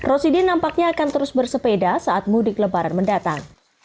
rosidin nampaknya akan terus bersepeda saat mudik lebaran mendatang